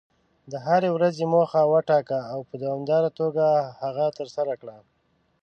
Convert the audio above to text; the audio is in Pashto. د هرې ورځې موخه وټاکه، او په دوامداره توګه هغه ترسره کړه.